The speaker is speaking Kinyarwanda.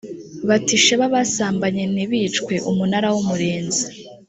batisheba basambanye ntibicwe umunara w umurinzi